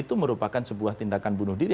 itu merupakan sebuah tindakan bunuh diri